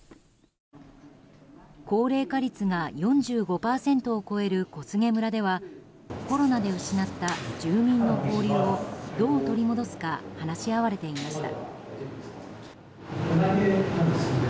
高齢化率が４５％を超える小菅村ではコロナで失った住民の交流をどう取り戻すか話し合われていました。